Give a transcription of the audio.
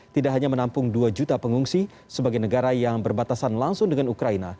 tidak hanya menampung dua juta pengungsi sebagai negara yang berbatasan langsung dengan ukraina